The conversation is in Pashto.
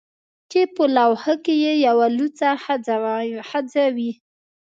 چې په لوحه کې یې یوه لوڅه ښځه وي